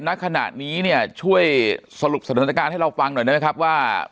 ณขณะนี้เนี่ยช่วยสรุปสถานการณ์ให้เราฟังหน่อยได้ไหมครับว่า